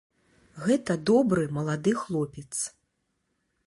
Гэта добры малады хлопец.